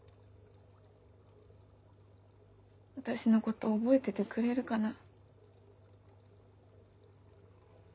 私のこと覚えててくれるかな？